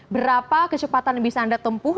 berapa kecepatan yang bisa anda tempuh